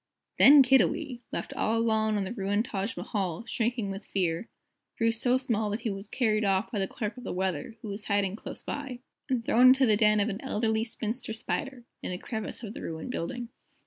Then Kiddiwee, left all alone on the ruined Taj Mahal, shrinking with fear, grew so small that he was carried off by the Clerk of the Weather, who was hiding close by, and thrown into the den of an Elderly Spinster Spider, in a crevice of the ruined building.